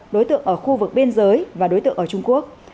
đối tượng ở khu vực biên giới và đối tượng ở trung quốc